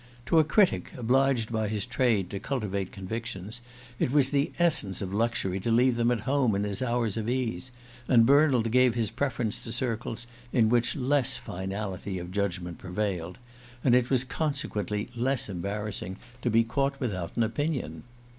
To a critic, obliged by his trade to cultivate convictions, it was the essence of luxury to leave them at home in his hours of ease; and Bernald gave his preference to circles in which less finality of judgment prevailed, and it was consequently less embarrassing to be caught without an opinion.